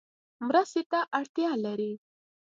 مرستې ته اړتیا لری؟